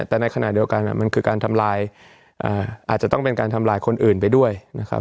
แต่ในขณะเดียวกันมันคือการทำลายอาจจะต้องเป็นการทำลายคนอื่นไปด้วยนะครับ